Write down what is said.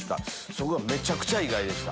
そこがめちゃくちゃ意外でした。